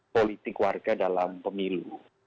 politik warga dalam pemilu